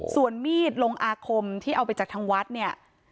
ส่วนมีดลงอาคมที่เอาไปจากทางวัดเนี่ย